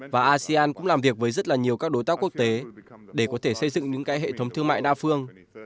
và asean cũng làm việc với rất là nhiều các đối tác quốc tế để có thể xây dựng những hệ thống thương mại đa phương